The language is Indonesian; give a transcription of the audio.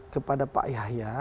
kepada pak yahya